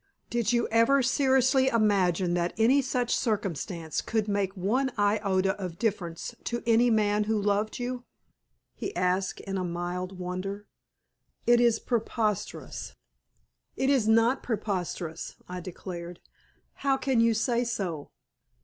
"Did you ever seriously imagine that any such circumstance could make one iota of difference to any man who loved you?" he asked, in a mild wonder. "It is preposterous." "It is not preposterous," I declared. "How can you say so?